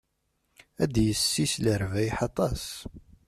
Ad d-yessis lerbayeḥ aṭas.